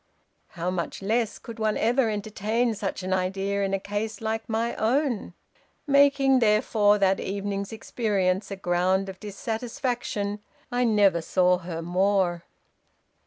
How much less could one ever entertain such an idea in a case like my own? Making, therefore, that evening's experience a ground of dissatisfaction I never saw her more.